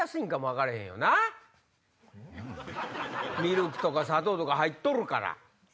ミルクとか砂糖とか入っとるから。